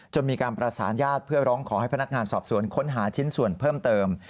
มีการประสานญาติเพื่อร้องขอให้พนักงานสอบสวนค้นหาชิ้นส่วนเพิ่มเติม